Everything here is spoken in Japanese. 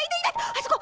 あそこ！